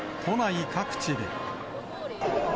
都内各地では。